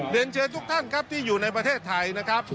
เรียนเชิญทุกท่านครับที่อยู่ในประเทศไทยนะครับ